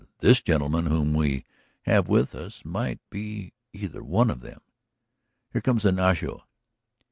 This gentleman whom we have with us might be either one of them. ... Here comes Ignacio.